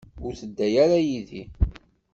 Ur tedda ara yid-i.